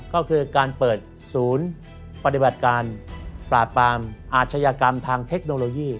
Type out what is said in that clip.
ก็คือการเปิดศูนย์ปฏิบัติการปราบปรามอาชญากรรมทางเทคโนโลยี